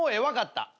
分かった。